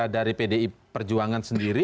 dari pdi perjuangan sendiri